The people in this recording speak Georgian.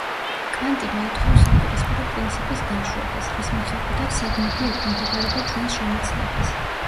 კანტი მოითხოვს საპირისპირო პრინციპის დაშვებას, რის მიხედვითაც საგნები ექვემდებარება ჩვენს შემეცნებას.